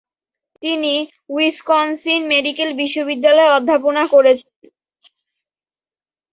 তিনি উইসকনসিন-মেডিসন বিশ্ববিদ্যালয়ে অধ্যাপনা করেছেন।